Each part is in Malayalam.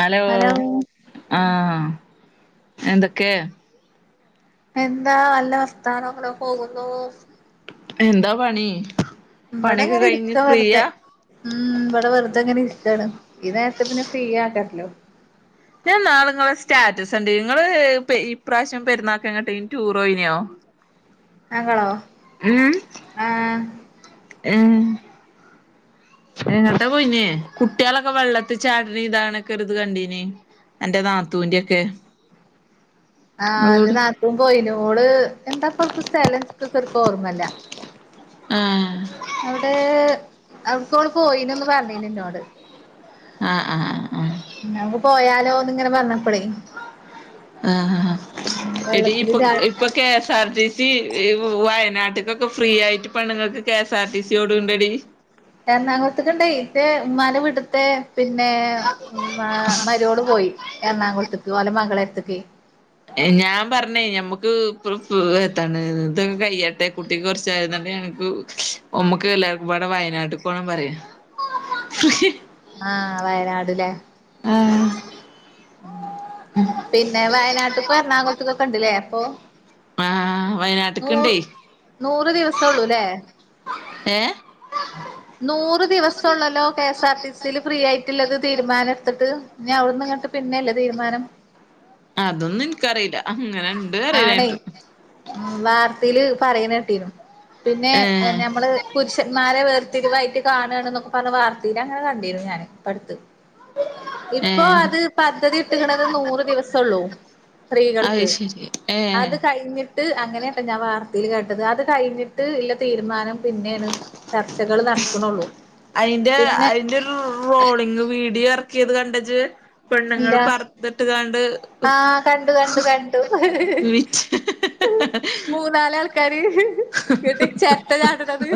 ഹലോ ആ എന്തൊക്കെ എന്താ നല്ല വാർത്താനം അങ്ങനെ പോകുന്നു എന്താ പണി ഇവിടെ പണിയൊക്കെ അങ്ങനെ കഴിഞ്ഞ് ഇരിക്ക വെറുതെ ഫ്രീയാ ഉമ് ഇവിടെ വെറുതെ ഇങ്ങനെ ഇരിക്കയാണ് ഈ നേരത്തെ പിന്നെ ഫ്രീ ആക്കാരല്ലോ ഞാൻ ന്നാൾ നിങ്ങളെ സ്റ്റാറ്റസ് കണ്ടീനീ നിങ്ങള് ഇപ്രാവശ്യം പെരുന്നാൾ എങ്ങോട്ടെങ്കിലും ടൂർ പോയിനിയോ ഞങ്ങളോ എങ്ങട്ടാ പോയിനിയെ കുട്ടികളൊക്കെ വെള്ളത്തി ചാടിനിം ഇതാവുണൊക്കെ കണ്ടീന് അന്റെ നാത്തൂന്റെ ഒക്കെ ആഹ് ന്റെ നാത്തുൻ പോയിനു ഓള് എന്താപ്പം അവിടുത്തെസ്ഥലം ഓർമ്മല്ല ആ അവിടെ അവിക്കോള് പോയിണ് എന്ന് പറഞ്ഞീനീന്നോട് ആ ആ ആ ആ നമക്ക് പോയാലോന്ന് ഇങ്ങനെ പറഞ്ഞപ്പളെ ആ എടി ഇപ്പൊ ചാടി ഇപ്പൊ K S R T C വയനാട്ട് ക്ക് ഫ്രീ ആയിട്ട് പെണുങ്ങൾക്ക് K S R T C ഓട്ണ്ടെഡി എറണാകുളത്ത്ക്കും ഇണ്ടേ ന്റെ ഉമ്മാന്റെ വിട്ട്ത്തെ പിന്നെ മരിയോൾ പോയി എറണാകുളത്തേക്ക് ഓലെ മകളടുത്തേക്കെ ഞാൻ പറഞ്ഞേ ഞമ്മക്ക് ഇ പ് പ് ഏതാണ് ഇതൊക്കെ കഴിയട്ടെ കുട്ടിക്ക് കൊറച്ചായിട്ട് ങ്ങക്ക് നമുക്ക് എല്ലാവർക്കും ഇപടെ വയനാട്ട്ക്ക്പോണം പറയും ആ വയനാട്ല്ലേ ആ പിന്നെ വയനാട്ട്ക്കും എറണാകുളത്തക്കൊക്കെ ഇണ്ട്ല്ലേ അപ്പൊ ആഹ് നൂറ് വയനാട്ട്ക്ക്ണ്ടേ നൂറ് ദിവസം ഒള്ളൂല്ലേ ഏ നൂറ് ദിവസം ഉള്ളല്ലോ കെ എസ് ആർ ടി സിയിൽ ഫ്രീ ആയിട്ടിള്ളത് തീരുമാനം എടുത്തിട്ട് പിന്നെ അവിടുന്ന് ഇങ്ങട്ട് പിന്നെയല്ലേ തീരുമാനം അതൊന്നും എനിക്കറിയില്ല ഉം ആണെ ഉം വാർത്തീല് പറയ്ണേട്ടീനു പിന്നെ വെ ഏഹ് ഞമ്മള് പുരുഷന്മാരെ വേർതിരിവായിട്ട് കാണാണ്ന്നൊക്കെ പറഞ്ഞ് വാർ ലഅങ്ങനെ കണ്ടിരുന്നു ഞാന് പ്പട്ത്ത് ഇപ്പൊ ഏഹ് അത് പദ്ധതി ഇട്ട്ക്ക്ണത് നൂറ് ദിവസാെള്ളൂ അത് സ്ത്രീകൾക്ക് ശരി ഏഹ് അത് കഴിഞ്ഞിട്ട് അങ്ങനെട്ടാ ഞാ വാ ർത്തേൽ കേട്ടത് അത് കഴിഞ്ഞിട്ട് ഇല്ല തീര്മാനം പിന്നേണ് ചർച്ചകൾ നടക്കണുള്ളൂ അയ്ന്റെ പിന്നെ അയ്ന്റെ റോളിങ് വീഡിയോ എറക്കിയെത് കണ്ടജ്ജ് ഇല്ലാ ആ കണ്ടു കണ്ടു കണ്ടു വിറ്റ് മൂന്നാലാൾക്കാര് ങ്ങട്ട് ചെര്ട്ട ചാട്ണത്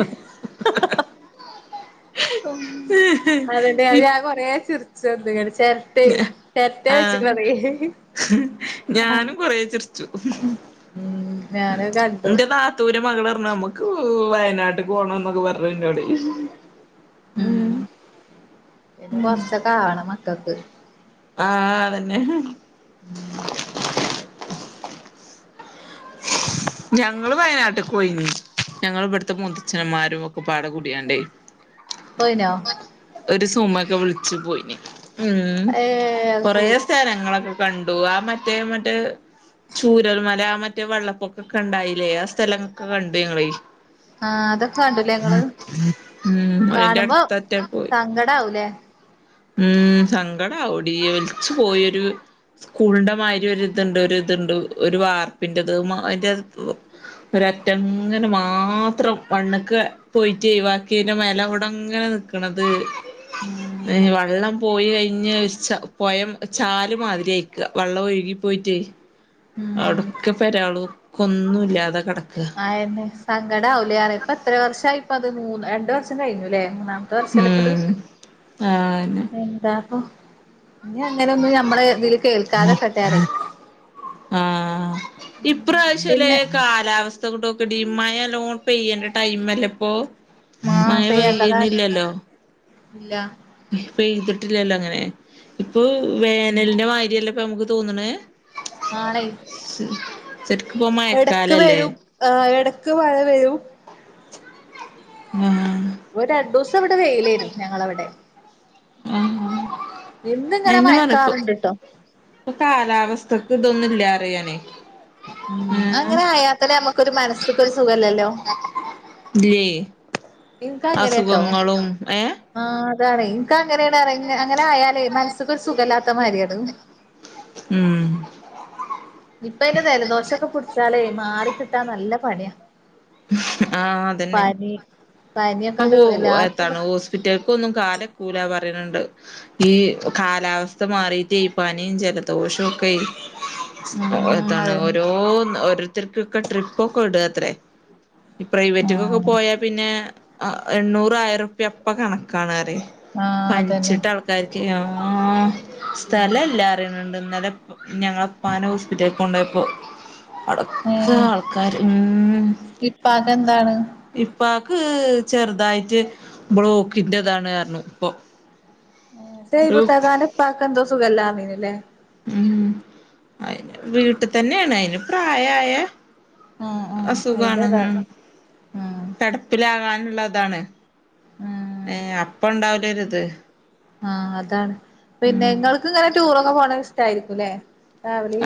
ഉം അതെന്നെ അത് ഞാൻ കൊറേ ചിർ ച്ചന്ന്ങ്ങട് ചെര്ട്ടെ ചെര്ട്ടെ ആഹ് വെച്ചിക്ക്ണതേ ആ ച്ചു കണ്ടു ന്റെ നാത്തൂന്റെ മകള്റ് നമ്മുക്ക് വയനാട്ട്ക്ക് പോണംന്നൊക്കെ പറഞ്ഞു ഇന്നോടെ ഉം പിന്നെ കൊറച്ചക്കാവണം മക്കക്ക് ആ അതന്നെ ഉം ഞങ്ങള് വയനാട്ട്ക്ക് പോയിനി ഞങ്ങള്വ്ട്ത്തെ മൂത്തച്ചന്മാരും ഒക്കെപാടെ കൂടിയാണ്ടേ പോയ്നോ ഒരു സുമക്കെ വിളിച്ച് പോയ്നി ഉം ഏഹ് അത് കൊറെേ ശരി സ്ഥലങ്ങളൊക്കെ കണ്ടു ആ മറ്റേ മറ്റേ ചൂരൽ മല ആ മറ്റേ വെള്ളപ്പൊക്കൊക്കെണ്ടായിലേ ആ സ്ഥലങ്ങളൊക്കെ കണ്ടു ഞങ്ങളേ ആഹ് അതൊക്കെ കണ്ടുലേ ഇങ്ങള് ഉം അയ്ന്റെ അടുത്തറ്റാ പോയ് ടാവൂലെ ഉം സങ്കടാവെടീ ഒൽച്ച് പോയൊര് സ്കൂൾന്റെ മായ്രി ഒര്ത്ണ്ട് ഒര്ത്ണ്ട് ഒര് വാർപ്പിന്റെത് മ അയ്ന്റെ ഒരറ്റംങ്ങനെ മാത്രം മണ്ണ്ക്ക് പോയിട്ടേ ബാക്കി മേലെ കൂടെങ്ങെ നിക്ക്ണത് ഉം ഞ്ഞ് ഒര് ചാ പൊയ ചാൽ മാതിരിയായ്ക്ക വെള്ളം ഒഴുകിപോയ്ട്ടേ ഉം അവിടൊക്കെ പേരേളും ഒന്നുല്ലാതെ കെട ആയെന്നെ സങ്കടാവുല്ലേറിയാ ഇപ്പൊ എത്ര വർഷായി ഇപ്പൊ അത് മൂന്ന് രണ്ടു വർഷം കഴിഞ്ഞൂലേ മൂന്നാമത്തെ വർഷല്ലെപ്പത് ഉം ആന്നെ എന്താപ്പോ ഇനി അങ്ങനൊന്നും ഞമ്മള്ത്‌ല് കേൾക്കാതെക്കെട്ടെറിയേ ആഹ് പിന്നെ ക്കടീ മഴല്ലോം പെയ്യണ്ട്യ ടൈം അല്ലെ ഇപ്പൊ ആഹ് മഴ ഫ്രീ ആയിട്ട് അതാണ് പെയ്യ്ണില്ലല്ലോ ഇല്ല പെയ്തിട്ടില്ലല്ലോ അങ്ങനെ ഇപ്പൊ വേനലിന്റെ മായ്രിയല്ല ഇപ്പം നമുക്ക് തോന്ന്ണേ ആണൈ ശരിക്കും ഇപ്പൊ എടക്ക് മഴക്കാലല്ലേ വരും ആ ഏട ക് മഴ വരും ആഹ് രണ്ടൂസം ഇവിടെ വെയിലേനു ഞങ്ങളവടെ ആ ഹാ അഎന്നെ പറഞ്ഞ പ്പം മയക്കാറുണ്ട്ട്ടോ ഇപ്പൊ കാലാവസ് [unintelligible] ക്ക് ഇതൊന്നും ഇല്ലാറിയ ഞാനെ ഉം അങ്ങനെ ആയാത്തന്നെ നമ്മുക്കൊരു മനസ്സ്ക്കൊരു സുഖല്ലല്ലോ ഇല്ലേ ഇൻക്ക് അസുഖങ്ങളും ഏ ഇതാണെ ക്ക അങ്ങനെണ് അങ്ങനെ ആയാലേ മനസ്സുക്കൊരു സുഖല്ലാത്തമാരിയാണ് ഉം ഇപ്പ യ്ന് ദലദോഷക്കെ പുട്ച്ചാ ലെ മാറിക്കിട്ടാൻ നല്ല പണിയാ ആഹ് അതന്നെ പനി അ പനിയൊക്കെണ്ട് പോ എല്ലാർക്കും എത്താണ് ഹോസ്പിറ്റൽ ക്ക് ഒന്നും കാലക്കൂലാ പറിണ് ണ്ട് ഈ കാലാവസ്ഥ മാറീട്ടെ ഈ പനിം ജലദോഷവും ഒക്കെ ഒ ഉം എത്താണ് അതന്നെ ഓരോ ഓരോരുത്തർക്കൊക്കെ ട്രിപ്പൊക്കെ ഇടുകാത്രേ ഇ പ്രൈവറ്റ്ക്കൊക്കെ ആഹ് പോയാ പിന്നെ എണ്ണൂറായിരം രൂപ്യ അപ്പ കണക്കാണ് റ്യേ ആഹ് അതന്നെ പനിച്ചിട്ട് ആൾക്കാർക്കേ ആ ആ സ്ഥലല്ലാ പറിണ് ണ്ട് ഇന്നലെ പ്പ ഞങ്ങളപ്പാനെ ഹോസ്പിറ്റൽക്ക് കൊണ്ടുപോയപ്പോ അവിടൊക്കെ ആൾക്കാര് ഊം പാകെന്താണ് പ്പാക്ക് ചെറുതായിട്ട് ബ്ലോക്കിന്റെതാണ് പർഞ്ഞു ഇപ്പം സേയ്ബുത്താത്താൻ്റെപ്പാക്കന്തോ സുഖല്ലാ തയ്ന് ലേ ഉം അയിന് വീട്ടു തന്നെയാണ് അയിന് പ്രായാ ആയ ആഹ് ആഹ് അസുഖാണ് അയിന്റെതാണ് ഉം ആഹ് കെടപ്പിലാകാ അങ്ങനുള്ളതാണ് ഏ ആഹ് അപ്പ ഉണ്ടാവല ടരുത് ആ അതാണ് പിന്നെ ഇങ്ങൾക്ക് ഇങ്ങനെ ടൂറൊക്കെ പോണത് ഇഷ്ട്ടാരിക്കും ക്കുല്ലേ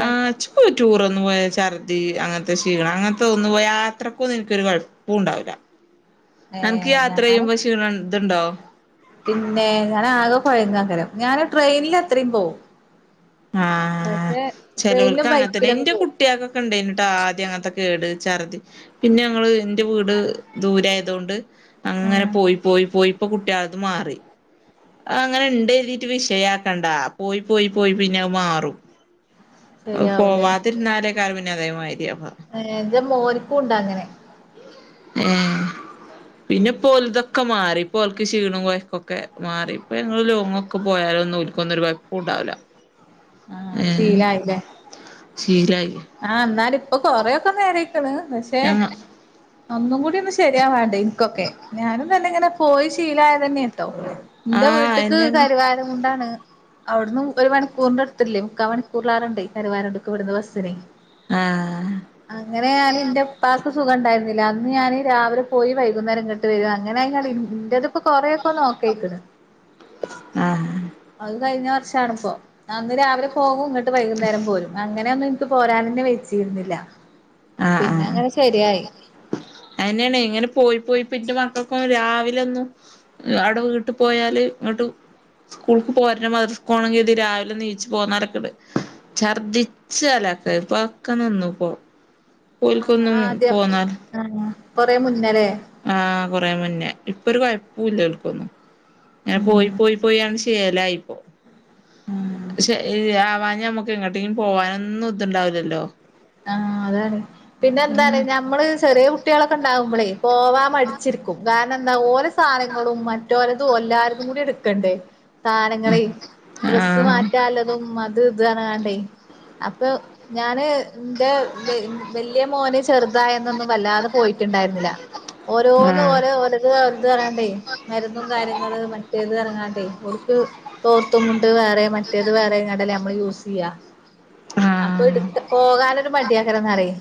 ആ ജ് പോ ടൂറൊന്നും പോയ ശർദ്ദി അങ്ങനത്തെ ഷീണം അങ്ങനത്തെ ഒന്നു പോ യാത്രക്കൊന്നും എനിക്കൊരു കൊഴപ്പോംണ്ടാവില്ല ഏ ഞാന് ഇതുണ്ടോ പിന്നെ ഞാനാകെ കോയങ്ങാങ്കരം ഞാന് ട്രെയിനിലത്രേം പോവും ആ പക്ഷെ ട്രെയിനിലും ചെലോൽക്ക് അങ്ങനെതന്നെ ബൈക്കിലൊക്കെ ന്റെ പോവും കുട്ട്യോൾക്കൊക്കെണ്ടേനുട്ടോ ആദ്യം അങ്ങനത്തെ കേട് ചർദ്ധി പിന്നെ ഞങ്ങള് ന്റെ വീട് ട് ദൂരെയായതുകൊണ്ട് അങ്ങനെ ആഹ് പോയി പോയി പോയിപ്പൊ കുട്ടിളത് മാറി അങ്ങനെ ഇണ്ട്ഴുതിട്ട് വിഷയാക്കണ്ടാ പോയി പോയി പോയി പിന്നെ അങ്ങ് മാറും ശരിയാവൂല്ലേ പോവാതിരുന്നാലേ കാര ന്നെ അതേമാതിരിയാവും [unintelligible] ന്റെ മോനുക്കുണ്ട്ങ്ങനെ ഏ പിന്നെ പോൽതൊക്കെ മാറി ഇപോൽക്ക് ക്ഷീണോ കോയക്കൊക്കെ മാറി ഇപ്പൊ ഞങ്ങള് ലോങ്ങൊക്കെ പോയാലൊന്നും ഓൽക്കൊന്നും ഒരു കൊയപ്പോംണ്ടാവില്ല ആ ശീലായില്ലേ ശീലായി ആ എന്നാലിപ്പൊ കൊറെയൊക്കെ നേരയ്ക്കണ് പഷെ ഞങ്ങ ഒന്നും കൂടി ഒന്ന് ശരിയാവാൻണ്ട് എനിക്കൊക്കെ ഞാനും തന്നെ ഇങ്ങനെ പോയി ശീലായതന്നെ ട്ടോ ന്റെ ആഹ് വീട്ട്ക്ക് അയെന്നേണ് കരുവാരകുണ്ടാണ് അവിടന്ന്‌ ഒരു മണിക്കൂറിന്റെ അടുത്തില്ലെ മു ക്കാ മണിക്കൂറിലെറേണ്ടേ കരുവാരണ്ട്ക്ക് ഇവിടുന്ന് ബസ്സിന് ആഹ് അങ്ങനെയാണ് ന്റെ പ്പാക്ക് സുഖണ്ടാരുന്നില്ല അന്ന് ഞാന് രാവിലെ പോയി വൈകുന്നേരം ങ്ങട്ട് വരുവാ അങ്ങനെയായിരുന്നത് ഇന്റതിപ്പൊ കൊറെക്കൊന്നു ഒക്കെയായിക്ക്ണ് ആഹ് അത് കഴിഞ്ഞ വർഷാണിപ്പോ അന്ന് രാവിലെ പോകും ഇങ്ങ ട്ട് വൈകുന്നേരം പോരും അങ്ങനെയൊന്ന് ട്ട് പോരൻ തന്നെ വെച്ചിരുന്നില്ല ആഹ് പിന്നെ ആഹ് അങ്ങനെ ശരിയായി അയ്ന്ന്യാണെ ഇങ്ങനെ പോയി പോയി പിന്നെ മക്കൾക്കൊ രാവി ലൊന്നും അടെ വീട്ട് പോയാല് ഇങ്ങട്ട് സ്കൂൾക്ക് പോരണം മദ്രസ്കോവണം കര്തി രാവിലെ നീച്ച് പോന്നാലൊക്കെട് ഛർദിച്ചലക്കെ പ്പൊക്കെ നിന്നു പോ ആഹ് ആദ്യം ആഹ് കൊറെ മുന്നലെ ആഹ് കൊറേ മുന്നേ ഇപ്പൊരു കൊഴപ്പുല്ല ഓൽക്കൊന്നും അങ്ങനെ ഉം പോയി പോയി പോയാണ്ട് ശേലായി ഉം ശെരി ആ വാ ഇഞ് ഞമ്മെക്ക് എങ്ങെട്ടെലും പോവാനൊന്നും ഇത് ഇണ്ടാവൂലല്ലോ? ആഹ് അതാണ് പിന്നെ എന്താ അറിയോ ആഹ് ഞമ്മെൾ ചെറിയ കുട്ടിയാളൊക്കെ ഇണ്ടെ ണ്ടാവുമ്പെളെ ഇപ്പോ മാമ് അടിച്ചിരിക്കും കാര്ണം എന്താ ഓന് സാനങ്ങളും മറ്റൊര്തും എല്ലാര്തും കൂടി ഇട്ക്കെണ്ടെ സാനങ്ങളെ ഡ്രസ്സ് മാറ്റാ ഇല്ലെതും അത് ഇത് പർണ് കാണ്ടെയ് അപ്പെയ് ഞാന് ഇന്റെ വെ വെല്ലിയ മോന് ചെറ്തായ അന്നൊന്നും വല്ലാതെ പോയിറ്റ് ഇണ്ടായിര്ന്നില്ല ഓരോന്ന് ആഹ് ഓലെ ഓലെത് ഓലെത് പർണാണ്ടെയ് മര് ന്നും കാര്യങ്ങെൾ മറ്റേത് പർണ് കാണ്ടെയ് ഓൽക്ക് തോർത്തും മുണ്ട് വേറെ മറ്റേത് വേറെ അയ്ങ്ങാണ്ട് അല്ലെ ഞമ്മെൾ യൂസ് ചെയ്യാ അപ്പൊ ഇട്ക്ക ആ ക്കാനൊര് മടി ആക്കാരംന്ന് പറെയ്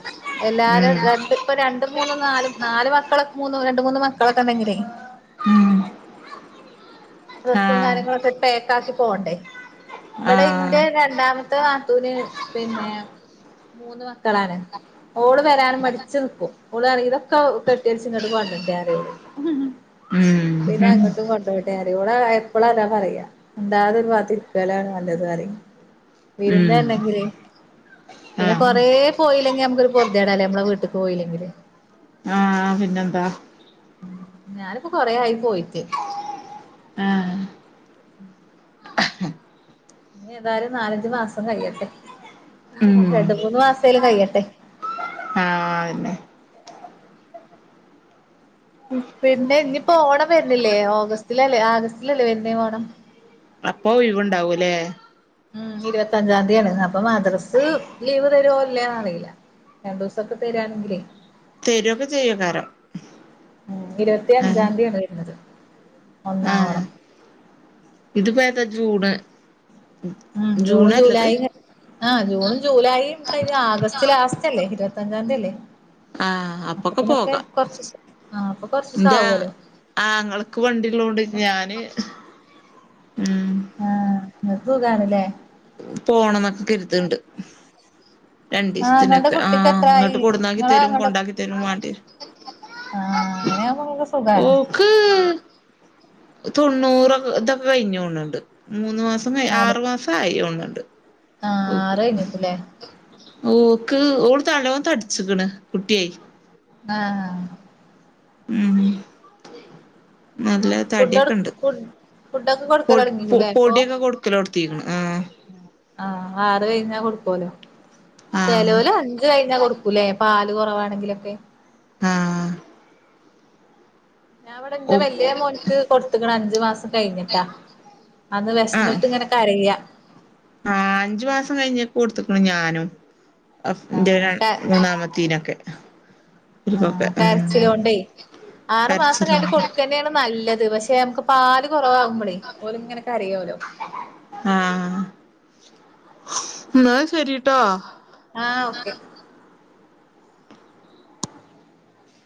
എല്ലാരും രണ്ട് ഇപ്പ രണ്ട് മൂന്നും നാലും നാല് മക്കള് മൂന്ന് രണ്ട്മൂന്ന് മക്കളൊക്കെ ഉണ്ടെങ്കിലേ ഉം ഡ്രസ്സും കാര്യങ്ങളക്ട് പേക്കക്കി പോണ്ടേ ഇവിടെ ഇന്റെ രണ്ടാമ ന്റ കാത്തൂന് പിന്നെ മൂന്ന് മക്കളാണ് ഓള് വരൻ മടിച്ചു നിക്കും ഓള് [unintelligible] ഇതൊക്കെ കെട്ടരിച്ച് ഇങ്ങോട്ട് കൊണ്ടരണ്ടെറയുള് പിന്നെങ്ങോട്ടും കൊണ്ടപോട്ടെ [unintelligible] ഓള് എപ്പള് അതാ പറയാ എന്താതൊരി [unintelligible] വിരുന്നണ്ടെങ്കില് പിന്നെ കൊറേ പോയില്ലെങ്കി മ്മക്കൊരു പൊ തണല്ലേ നമ്മള വീട്ടക്ക് പോയില്ലെങ്കില് ആ പിന്നെന്താ ഞാനിപ്പോ കൊറെ ആയി പോയി ആ [inaudible] [unintelligible] ഇനി ഏതായാലും നാലഞ്ചു മാസം കഴിയട്ടെ അതെ ഉം അതെ മൂന്ന് മാസേലും കഴിയട്ടെ ആ അതന്നെ പിന്നെ ഇനിപ്പോ ഓണം വരുന്നില്ലേ ഓഗസ്റ്റിലല്ലേ ആഗസ്റ്റിലല്ലേ വരുന്നേ ഓണം അപ്പൊ ഒഴിവുണ്ടാവുല്ലേ ഉം ഇരുപത്തഞ്ചാം തീയാണ് പ്പൊ മദ്രസ് ലീവ് തരോ ല്ല അറിയില്ല രണ്ടു ദിവസൊക്കെ തരാണെങ്കില് തരുവൊക്കെ ചെയ്യക്കാരം ഉം ഇരുപത്തി ആ അഞ്ചാതീ ആണ് വരുന്നത് ആ ഒന്നാം ഓണം ഇത്പ്പേതാ ജൂണ് ഉം ജൂണും ജൂണല്ലത് ജൂലൈയുംക ആ ജൂണും ജൂലൈയും കഴിഞ്ഞ ആഗസ്റ്റ് ലാസ്റ്റല്ലേ ഇരുപത്തഞ്ചാന്തി അല്ലേ ആ അപ്പൊക്കെ അപ്പത്തിനൊക്കെ പോകാ കൊറച്ചൂസം ആഹ് അപ്പൊ കൊറച്ചൂസം ന്റെ ആവുവല്ലോ ആങ്ങളക്ക് വണ്ടിള്ളോണ്ട് ഞാൻ ന് ഉം ങ്ങക്കൂകാണ്‌ല്ലേ പോണം ന്നൊക്കെ കരുതണ്ട് ആഹ് ഇങ്ങൾടെ രണ്ടീസ്ത്തിനൊക്കെ ആ കുട്ടിക്ക് എത്രായി ഇങ്ങട്ട് കൊടുന്നാക്കി ഇങ്ങളെ തരും അങ്ങടെ കൊണ്ടാക്കി തരും വണ്ടിരും ആഹ് അങ്ങനെയാവുമ്പോ ഇങ്ങക്ക് സുഖാണ് ഓക്ക് തൊണ്ണൂറൊ ഇതൊക്കെ കഴിഞ്ഞോൺ ണ്ട് മൂന്ന് മാസം ആറു മാസം ആയിഓ ന്നുണ്ട് ആ ആറേഞ്ക്കും ല്ലേ ഓക്ക് ഓള് തലോ തടിച്ചിക്ക്ണ് കുട്ടിയേയ് ആ ആ ഉം നല്ല ഫുഡൊട് തട്യൊക്കണ്ട് ഫുഡ് ഫുഡൊക്കെ പൊട് പൊ കൊടുക്കലൊടങ്ങീക്കുല്ലേ ഇപ്പൊ പൊടിയൊക്കെ കൊടുക്കലോടുത്തീക്കണോ ആ ആഹ് ആറ് കഴിഞ്ഞാ കൊടുക്കോലോ ആഹ് ചെലോല് അഞ്ചു കഴിഞ്ഞാ കൊടുക്കൂല്ലേ പാല് കൊറവാണെങ്കില ക്കെ ആ ഞാവിടെ ന്റെ വല്യേ മോൻക്ക് കൊടുത്ത്ക്ക്ണഞ്ചു മാസം കയിഞ്ഞിട്ടാ അന്ന് വിശന്നിട്ട് ഇങ്ങനെ കരയ അ ആ അഞ്ചു മാസം കയ്ഞ്ഞേക്കൊടുത്തക്കുണു ഞാനും ആഹ് [unintelligible] മൂന്നാമത്തീനൊക്കെ ഇപ്പൊക്കെ ആഹ് എ കരച്ചിലോണ്ടേ ആറു മാസം കരച്ചില കഴിഞ്ഞിട്ട് കൊടുക്കന്നെയാണ് നല്ലത് പക്ഷെ നമുക്ക് പാല് കുറവാകുമ്പോളേ ഓല് ഇങ്ങനെ കരയോലോ ആഹ എന്ന ശരിട്ടാ ആഹ ഓക്കെ